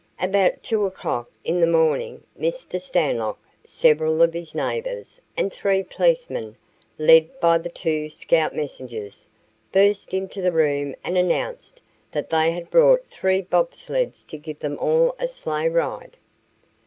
About 2 o'clock in the morning Mr. Stanlock, several of his neighbors, and three policemen, led by the two Scout messengers, burst into the room and announced that they had brought three bob sleds to give them all a sleighride.